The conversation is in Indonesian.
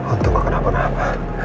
untung gak kena apa apa